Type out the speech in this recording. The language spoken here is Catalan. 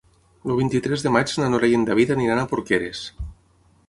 El vint-i-tres de maig na Nora i en David aniran a Porqueres.